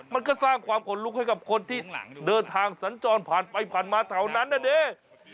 มันก็สร้างความขนลุกให้กับคนที่เดินทางสัญจรผ่านไปผ่านมาแถวนั้นนะเด้